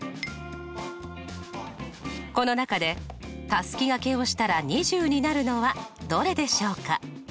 この中でたすきがけをしたら２０になるのはどれでしょうか？